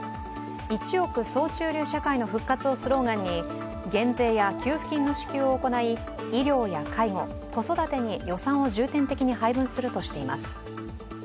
１億総中流社会の復活をスローガンに減税や給付金の支給を行い医療や介護、子育てに予算を重点的に配分するとしています。